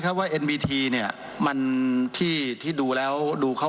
ใจที่จะเป็นสีของสีหน้าเมือง